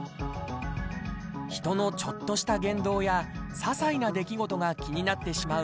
人のちょっとした言動や些細な出来事が気になってしまう